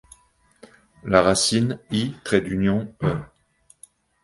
La racine i.-e.